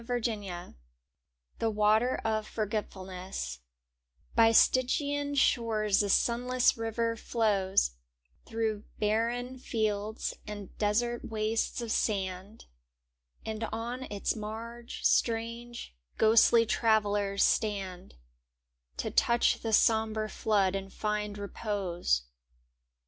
i^^ft Zbe Matet of S^oroetfulness Y Stygian shores a sunless river flows, Through barren fields and desert wastes of sand; And on its marge strange, ghostly travellers stand To touch the sombre flood and find repose.